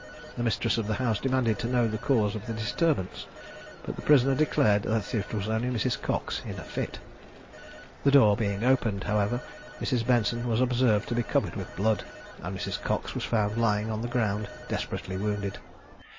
The mistress of the house demanded to know the cause of the disturbance, but the prisoner declared that it was only Mrs. Cox in a fit. The door being opened, however, Mrs. Benson was observed to be covered with blood, and Mrs. Cox was found lying on the ground desperately wounded.